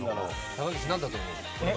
高岸、何だと思う？